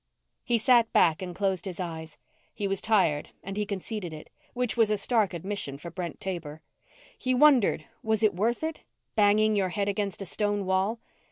He sat back and closed his eyes. He was tired and he conceded it, which was a stark admission for Brent Taber. And he wondered: Was it worth it? Banging your head against a stone wall.